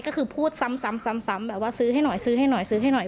ก็คือพูดซ้ำแบบว่าซื้อให้หน่อยซื้อให้หน่อยซื้อให้หน่อย